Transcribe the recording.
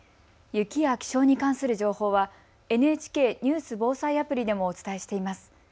雪や気象に関する情報はＮＨＫニュース・防災アプリでもお伝えしています。